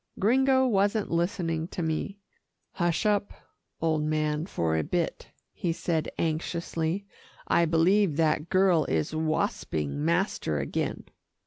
Gringo wasn't listening to me. "Hush up, old man, for a bit," he said anxiously. "I believe that girl is wasping master again."